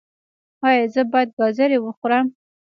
ایا زه باید ګازرې وخورم؟